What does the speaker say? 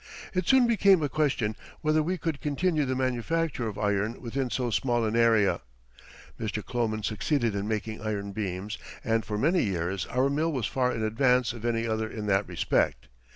It soon became a question whether we could continue the manufacture of iron within so small an area. Mr. Kloman succeeded in making iron beams and for many years our mill was far in advance of any other in that respect.